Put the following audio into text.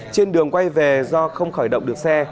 trên đường quay về do không khởi động được xe